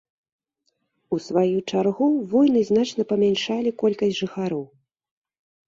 У сваю чаргу, войны значна памяншалі колькасць жыхароў.